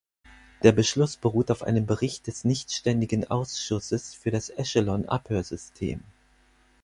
Der Beschluss beruht auf einem Bericht des nichtständigen Ausschusses für das Echelon-Abhörsystem.